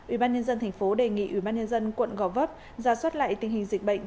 ủy ban nhân dân tp hcm đề nghị ủy ban nhân dân quận gò vấp giả xuất lại tình hình dịch bệnh